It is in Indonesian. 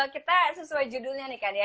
kita sesuai judulnya nih kan ya